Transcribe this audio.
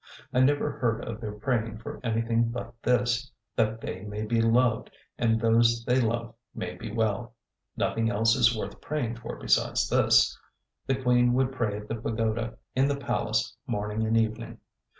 I never heard of their praying for anything but this: that they may be loved, and those they love may be well. Nothing else is worth praying for besides this. The queen would pray at the pagoda in the palace morning and evening.